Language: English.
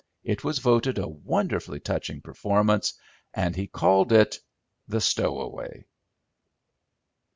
It was voted a wonderfully touching performance, and he called it "The Stowaway."